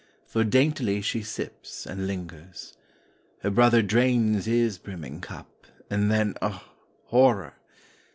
For daintily she sips and lingers. Her brother drains his brimming cup. And then—oh, horror!